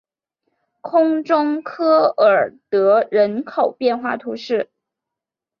空中科尔德人口变化图示